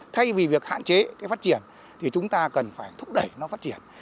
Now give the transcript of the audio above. thay vì việc hạn chế cái phát triển thì chúng ta cần phải thúc đẩy nó phát triển